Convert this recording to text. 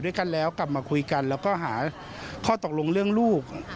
ด้วยกันแล้วกลับมาคุยกันแล้วก็หาข้อตกลงเรื่องลูก